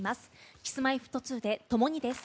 Ｋｉｓ‐Ｍｙ‐Ｆｔ２で「ともに」です。